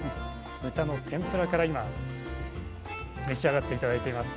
豚の天ぷらから今召し上がって頂いています。